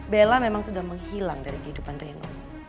bella memang sudah menghilang dari kehidupan reno